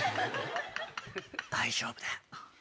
大丈夫だよ。